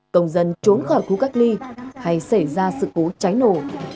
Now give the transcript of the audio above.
công dân trốn khỏi khu cách ly hay xảy ra sự cố cháy nổ